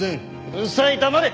うるさい黙れ！